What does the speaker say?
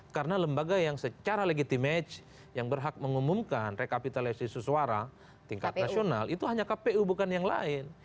karena lembaga yang secara legitimej yang berhak mengumumkan rekapitalisasi sesuara tingkat nasional itu hanya kpu bukan yang lain